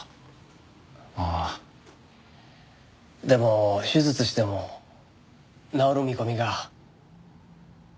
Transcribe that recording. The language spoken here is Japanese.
でも手術しても治る見込みが。